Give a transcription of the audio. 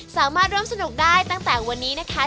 สามารถร่วมสนุกได้ตั้งแต่วันนี้นะคะ